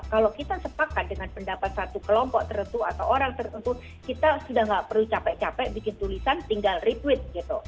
kalau kita sepakat dengan pendapat satu kelompok tertentu atau orang tertentu kita sudah nggak perlu capek capek bikin tulisan tinggal retweet gitu